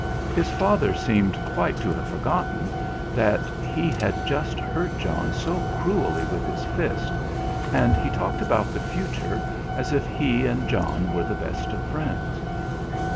His father seemed quite to have forgotten that he had just hurt John so cruelly with his fist, and he talked about the future as if he and John were the best of friends.